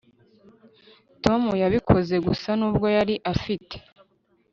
tom yabikoze gusa nubwo yari afite